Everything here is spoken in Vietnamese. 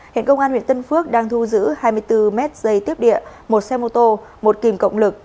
hiện công an huyện tân phước đang thu giữ hai mươi bốn mét dây tiếp địa một xe mô tô một kìm cộng lực